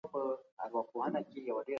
دا مثلث دئ او دا مربع ده.